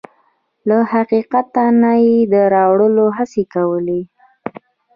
له حقیقت نه يې د اړولو هڅې کوي.